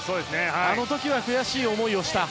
あの時は悔しい思いをした。